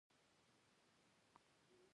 قوم پرستي مه کوئ